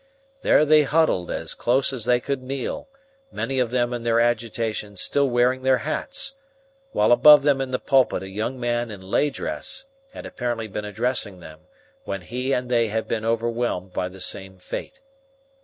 There they huddled as close as they could kneel, many of them in their agitation still wearing their hats, while above them in the pulpit a young man in lay dress had apparently been addressing them when he and they had been overwhelmed by the same fate.